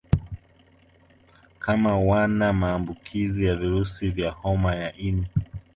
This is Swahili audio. kama wana maambukizi ya virusi wa homa ya ini